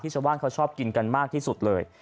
ชาวบ้านเขาชอบกินกันมากที่สุดเลย